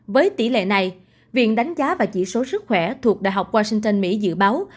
với tỷ lệ này viện đánh giá và chỉ số sức khỏe thuộc đại học washington mỹ dự báo